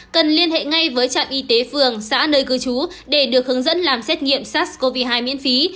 cần liên hệ ngay với trạm y tế phường xã nơi cư trú để được hướng dẫn làm xét nghiệm sars cov hai miễn phí